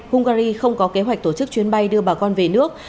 hungary không có kế hoạch tổ chức chuyến bay đưa bà con về nước